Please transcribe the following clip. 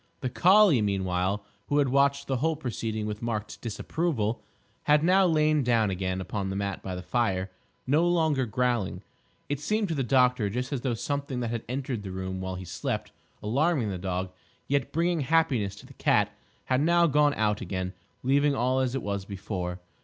The collie, meanwhile, who had watched the whole proceeding with marked disapproval, had now lain down again upon the mat by the fire, no longer growling. It seemed to the doctor just as though something that had entered the room while he slept, alarming the dog, yet bringing happiness to the cat, had now gone out again, leaving all as it was before.